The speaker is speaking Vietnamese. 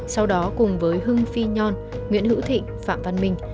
sau đó cùng với hưng phi nhon nguyễn hữu thịnh phạm văn minh